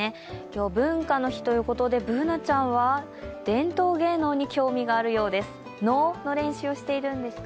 今日、文化の日ということでＢｏｏｎａちゃんは伝統芸能に興味があるようです。